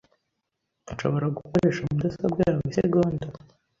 Nshobora gukoresha mudasobwa yawe isegonda?